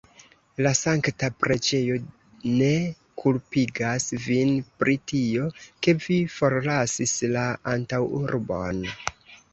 La sankta preĝejo ne kulpigas vin pri tio, ke vi forlasis la antaŭurbon.